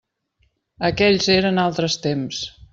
Aquells eren altres temps.